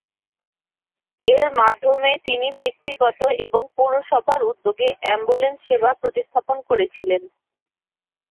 এর মাধ্যমে তিনি ব্যক্তিগত এবং পৌরসভার উদ্যোগে অ্যাম্বুলেন্স সেবা প্রতিস্থাপন করেছিলেন।